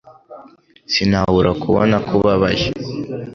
Sinabura kubona ko ubabaye.